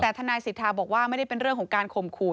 แต่ทนายสิทธาบอกว่าไม่ได้เป็นเรื่องของการข่มขู่